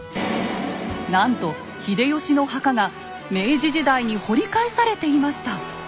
なんと秀吉の墓が明治時代に掘り返されていました。